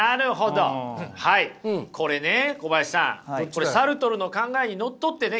これサルトルの考えにのっとってね